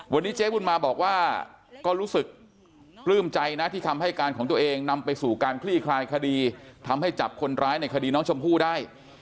วันนี้เจ๊บุญมาบอกว่าก็รู้สึกปลื้มใจนะที่คำให้การของตัวเองนำไปสู่การคลี่คลายคดีทำให้จับคนร้ายในคดีน้องชมพู่ได้